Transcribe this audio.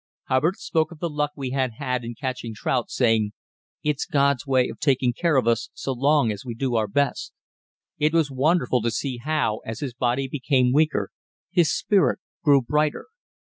Hubbard spoke of the luck we had had in catching trout, saying: "It's God's way of taking care of us so long as we do our best." It was wonderful to see how, as his body became weaker, his spirit grew brighter.